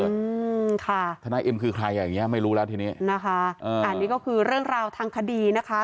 อืมค่ะทนายเอ็มคือใครอย่างเงี้ไม่รู้แล้วทีนี้นะคะอ่าอันนี้ก็คือเรื่องราวทางคดีนะคะ